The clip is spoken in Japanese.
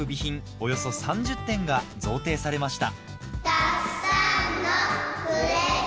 およそ３０点が贈呈されました